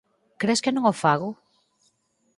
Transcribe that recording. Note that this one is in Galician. Cres que non o fago?